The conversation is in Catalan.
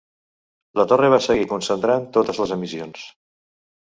La torre va seguir concentrant totes les emissions.